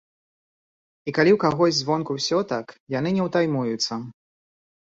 І калі ў кагось звонку ўсё так, яны не утаймуюцца.